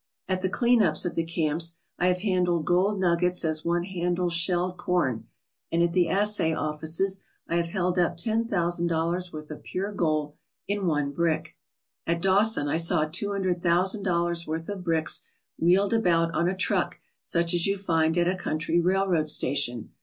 At the clean ups of the camps I have handled gold nuggets as one handles shelled corn, and at the assay offices I have held up ten thousand dollars' worth of pure gold in one brick. At Dawson I saw two hundred thousand dollars' worth of bricks wheeled about on a truck such as you find at a country railroad station.